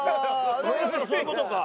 だからそういう事か。